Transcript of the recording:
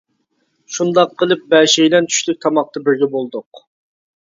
شۇنداق قىلىپ بەشەيلەن چۈشلۈك تاماقتا بىرگە بولدۇق.